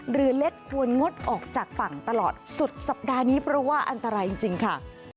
เรือเล็กควรงดออกจากฝั่งตลอดสุดสัปดาห์นี้เพราะว่าอันตรายจริงค่ะ